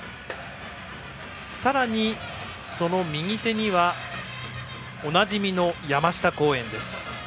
さらにその右手には、おなじみの山下公園です。